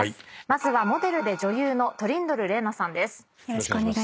まずはモデルで女優のトリンドル玲奈さんです。